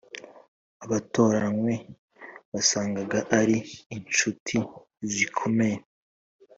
abatoranywe wasangaga ari inshuti zikomeye,